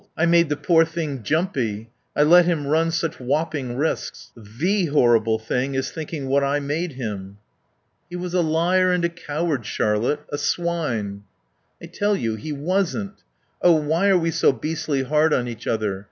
I made the poor thing jumpy. I let him run such whopping risks. The horrible thing is thinking what I made him." "He was a liar and a coward, Charlotte; a swine." "I tell you he wasn't. Oh, why are we so beastly hard on each other?